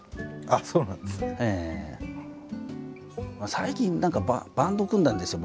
最近何かバンドを組んだんですよ